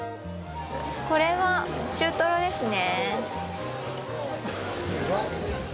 これは中とろですね。